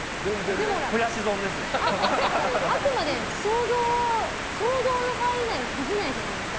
でも、あくまで想像の範囲内にすぎないじゃないですか。